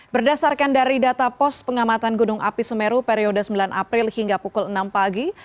berdasarkan dari data pos pengamatan gunung api semeru periode sembilan april hingga pukul enam pagi